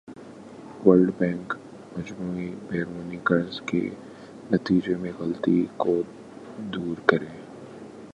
world Bank مجموعی بیرونی قرض کے تخمینے میں غلطی کو دور کرے